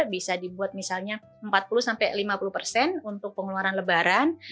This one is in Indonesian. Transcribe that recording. bisa dibuat misalnya empat puluh sampai lima puluh persen untuk pengeluaran lebaran